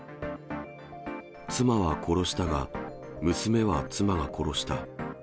妻は殺したが、娘は妻が殺した。